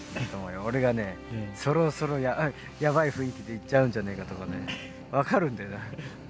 俺がねそろそろやばい雰囲気で行っちゃうんじゃないかとかね分かるんだよ。